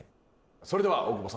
それでは大久保さま。